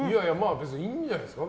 別にいいんじゃないですか。